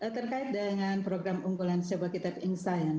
terkait dengan program unggulan syabak kitab inksaian